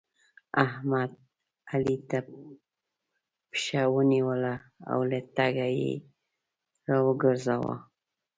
احمد؛ علي ته پښه ونيوله او له تګه يې راوګرځاوو.